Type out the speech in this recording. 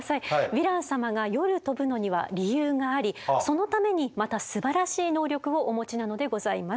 ヴィラン様が夜飛ぶのには理由がありそのためにまたすばらしい能力をお持ちなのでございます。